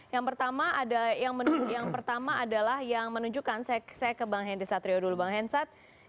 yang pertama adalah yang menunjukkan saya ke bang hendy satrio dulu bang hendy satrio